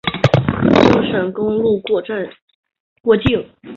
京沈公路过境。